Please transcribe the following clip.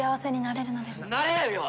なれるよ！